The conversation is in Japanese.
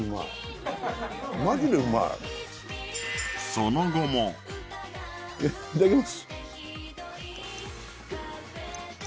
その後もいただきます